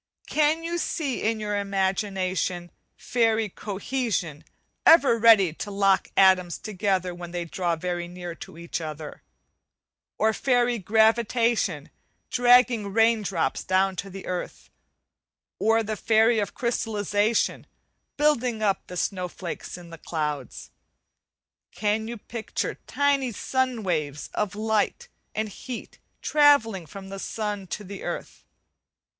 Can you see in your imagination fairy 'Cohesion' ever ready to lock atoms together when they draw very near to each other: or fairy 'Gravitation' dragging rain drops down to the earth: or the fairy of 'Crystallization' building up the snow flakes in the clouds? Can you picture tiny sunbeam waves of light and heat travelling from the sun to the earth?